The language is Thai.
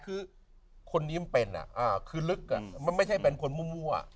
คือคนนี้มันเป็นคือลึกมันไม่ใช่เป็นคนมั่ว